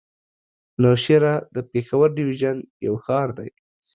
نوشهره د پېښور ډويژن يو ښار دی.